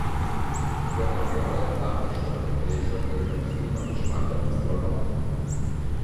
Per la prima volta esce la Compilation delle canzoni partecipanti al Festivalbar.